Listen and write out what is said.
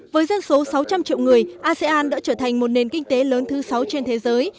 với dân số sáu trăm linh triệu người asean đã trở thành một nền kinh tế lớn thứ sáu trên thế giới